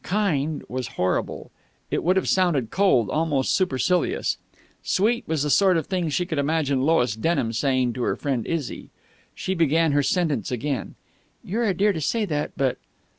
"Kind" was horrible. It would have sounded cold, almost supercilious. "Sweet" was the sort of thing she could imagine Lois Denham saying to her friend Izzy. She began her sentence again. "You're a dear to say that, but...."